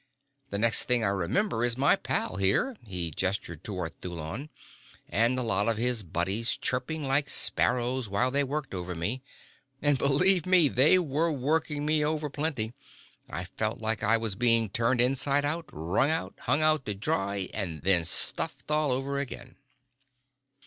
The next thing I remember is my pal here," he gestured toward Thulon, "and a lot of his buddies chirping like sparrows while they worked over me. And believe me, they were working me over plenty. I felt like I had been turned inside out, wrung out, hung out to dry, then stuffed all over again."